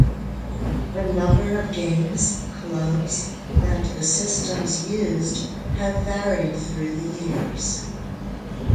The number of games, clubs and the systems used have varied through the years.